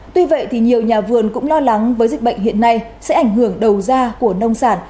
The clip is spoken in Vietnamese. tuy vậy thì nhiều nhà vườn cũng lo lắng với dịch bệnh hiện nay sẽ ảnh hưởng đầu ra của nông sản